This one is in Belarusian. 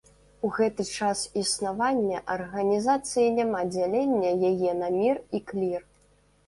У гэты час існавання арганізацыі няма дзялення яе на мір і клір.